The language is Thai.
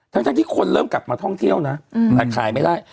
ทั้งที่คนเริ่มกลับมาท่องเที่ยวนะแต่ขายไม่ได้